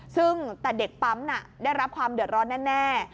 ซึ่งแต่เด็กปั๊มได้รับความเดือดร้อนแน่